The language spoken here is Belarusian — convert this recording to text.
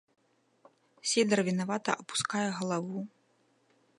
Сідар вінавата апускае галаву.